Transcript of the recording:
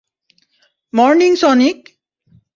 Morning, Sonic!